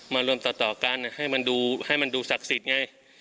มาร่วมต่อกันให้มันดูศักดิ์สิทธิ์ไง